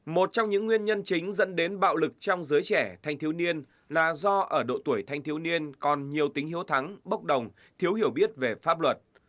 một trong những nguyên nhân chính dẫn đến bạo lực trong giới trẻ thanh thiếu niên là do ở độ tuổi thanh thiếu niên còn nhiều tính hiếu thắng bốc đồng thiếu hiểu biết về pháp luật